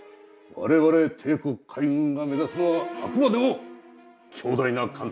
我々帝国海軍が目指すのはあくまでも強大な艦隊だ。